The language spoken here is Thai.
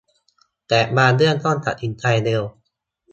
แต่บางเรื่องต้องตัดสินใจเร็ว